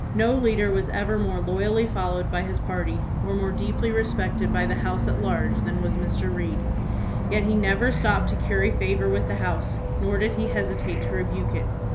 No leader was ever more loyally followed by his party or more deeply respected by the House at large than was Mr. Reed; yet he never stooped to curry favor with the House nor did he hesitate to rebuke it.